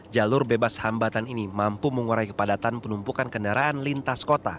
jalur bebas hambatan ini mampu mengurai kepadatan penumpukan kendaraan lintas kota